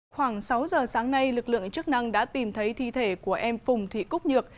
khoảng sáu giờ sáng nay lực lượng chức năng đã tìm thấy thi thể của em phùng thị cúc nhược